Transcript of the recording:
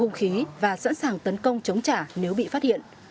huyện chư pứ đều mang thông khí và sẵn sàng tấn công chống trả nếu bị phát hiện